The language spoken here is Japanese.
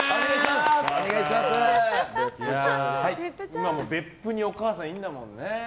今も別府にお母さんいるんだもんね。